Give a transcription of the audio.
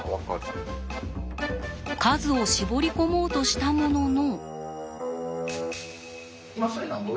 数を絞り込もうとしたものの。